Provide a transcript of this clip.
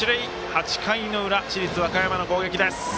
８回の裏、市立和歌山の攻撃。